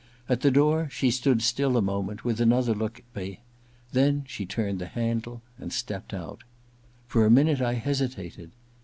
At the door she stood still a moment, with another look at me ; then she turned the handle, and stepped out. For a minute I hesitated.